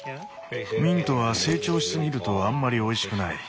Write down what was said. ミントは成長しすぎるとあんまりおいしくない。